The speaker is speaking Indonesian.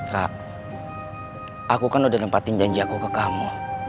kak aku kan udah nempatin janji aku ke kamu